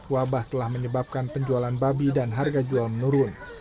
wabah telah menyebabkan penjualan babi dan harga jual menurun